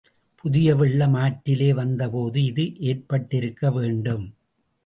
புதிய வெள்ளம் ஆற்றிலே வந்த போது இது ஏற்பட்டிருக்க வேண்டும்.